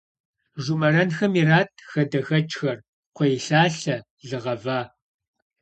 Жумэрэнхэм ират хадэхэкӏхэр, кхъуейлъалъэ, лы гъэва.